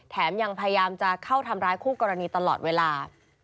แถมยังพยายามจะเข้าทำร้ายคู่กรณีตลอดเวลา